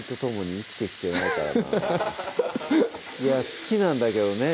好きなんだけどね